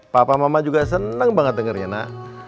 papa mama juga seneng banget dengernya nak